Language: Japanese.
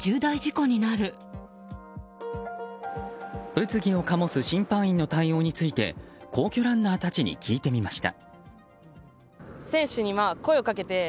物議を醸す審判員の対応について皇居ランナーたちに聞いてみました。